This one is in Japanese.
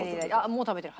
もう食べてる。